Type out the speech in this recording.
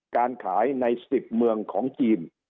การขายใน๑๐เมืองของจีน